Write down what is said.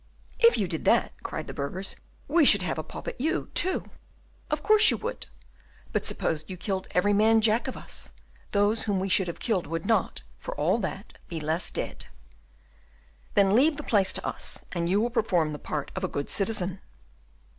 "If you did that," cried the burghers, "we should have a pop at you, too." "Of course you would; but suppose you killed every man Jack of us, those whom we should have killed would not, for all that, be less dead." "Then leave the place to us, and you will perform the part of a good citizen."